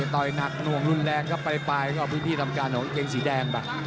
ต่อยหนักล่วงรุนแรงไปพื้นที่ทำการเกงสีแดง